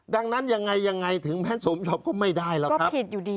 ดังนั้นยังไงยังไงถึงแม่สมยอมก็ไม่ได้หรอกครับก็ผิดอยู่ดี